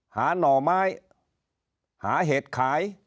หน่อไม้หาเห็ดขาย